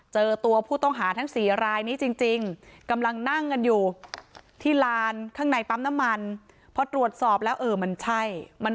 เจอตัวผู้ต้องหาทั้ง๔รายนี้จริงกำลังนั่งกันอยู่ที่ลานข้างในปั๊มน้ำมันพอตรวจสอบแล้วเออมันใช่มัน